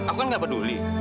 aku kan nggak peduli